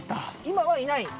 今はいない。